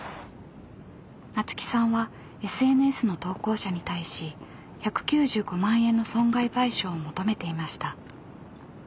菜津紀さんはＳＮＳの投稿者に対し１９５万円の損害賠償を求めていました。